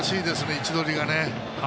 位置取りが。